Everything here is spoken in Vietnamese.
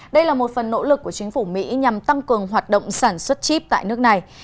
đây là một phần nỗ lực của chính phủ mỹ nhằm tăng cường hoạt động sản xuất chip tại nước này